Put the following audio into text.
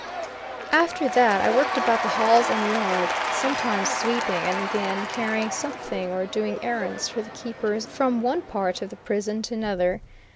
After that I worked about the halls and yard, sometimes sweeping, and again carrying something, or doing errands for the keepers from one part of the prison to another.